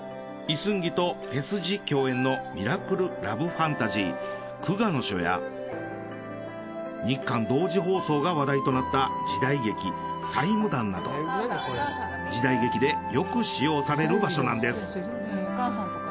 イ・スンギとペ・スジ共演のミラクルラブファンタジー「九家の書」や日韓同時放送が話題となった時代劇「師任堂」など時代劇でよく使用される場所なんです。